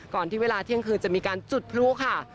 ที่เวลาเที่ยงคืนจะมีการจุดพลุค่ะ